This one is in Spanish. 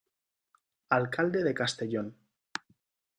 Alcalde de Castellón.